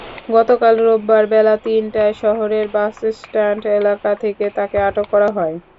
গতকাল রোববার বেলা তিনটায় শহরের বাসস্ট্যান্ড এলাকা থেকে তাঁকে আটক করা হয়।